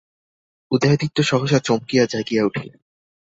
উদয়াদিত্য সহসা চমকিয়া জাগিয়া উঠিলেন।